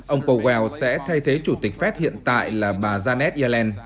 ông powell sẽ thay thế chủ tịch fed hiện tại là bà janet yellen